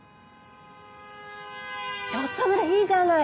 ちょっとぐらいいいじゃない。